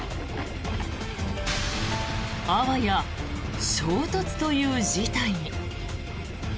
あわや衝突という事態に。